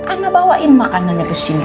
anak bawain makanannya kesini